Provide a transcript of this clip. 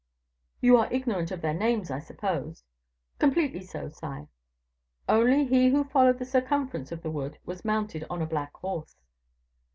"You are ignorant of their names, I suppose?" "Completely so, sire. Only he who followed the circumference of the wood was mounted on a black horse."